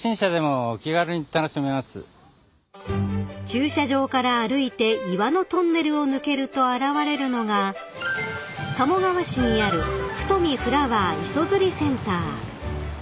［駐車場から歩いて岩のトンネルを抜けると現れるのが鴨川市にある太海フラワー磯釣りセンター］